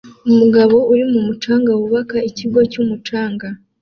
Umugabo uri ku mucanga wubaka ikigo cyumucanga